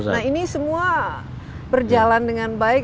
nah ini semua berjalan dengan baik